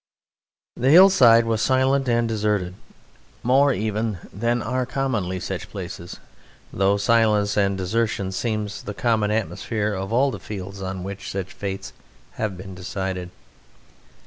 The hillside was silent and deserted, more even than are commonly such places, though silence and desertion seem the common atmosphere of all the fields on which such fates have been decided.